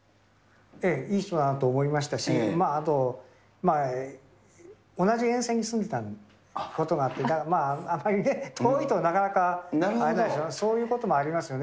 いい人だなと思いましたし、あと、同じ沿線に住んでたこともあって、あまりね、遠いとなかなか会えないし、そういうこともありますよね。